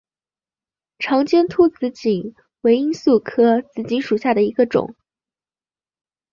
长尖突紫堇为罂粟科紫堇属下的一个种。